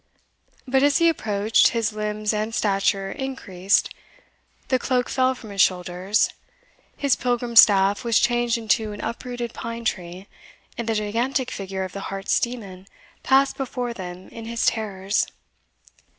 But as he approached, his limbs and stature increased, the cloak fell from his shoulders, his pilgrim's staff was changed into an uprooted pine tree, and the gigantic figure of the Harz demon passed before them in his terrors.